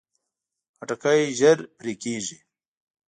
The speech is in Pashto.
خټکی ژر پرې کېږي.